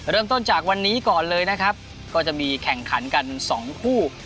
เริ่มต้นจากวันนี้ก่อนเลยนะครับก็จะมีแข่งขันกันสองคู่